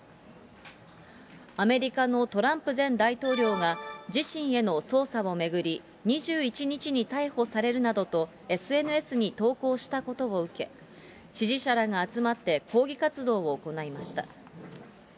アメリカのトランプ前大統領が、自身への捜査を巡り、２１日に逮捕されるなどとＳＮＳに投稿したことを受け、支持者らが集まって抗議活動を行いました。